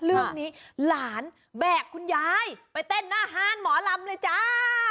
เรื่องนี้หลานแบกคุณยายไปเต้นหน้าห้านหมอลำเลยจ้า